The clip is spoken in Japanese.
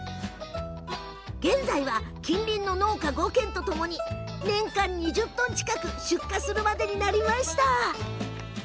現在は近隣の農家５軒とともに年間２０トン近くも出荷するまでになりました。